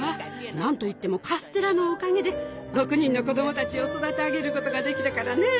何といってもカステラのおかげで６人の子供たちを育て上げることができたからね。